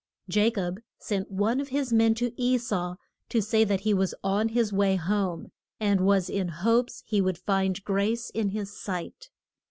Ja cob sent one of his men to E sau to say that he was on his way home, and was in hopes he would find grace in his sight.